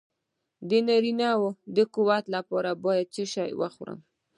د نارینه وو د قوت لپاره باید څه شی وخورم؟